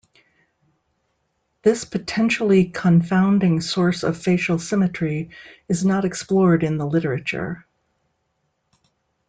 This potentially confounding source of facial symmetry is not explored in the literature.